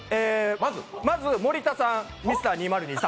まず森田さんＭｒ．２０２３。